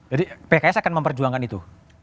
jadi pks akan memperjuangkan itu